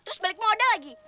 terus balik modal lagi